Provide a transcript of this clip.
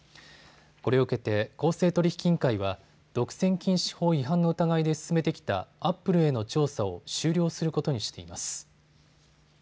これを受けて公正取引委員会は独占禁止法違反の疑いで進めてきたアップルへの調査を終了することにしています。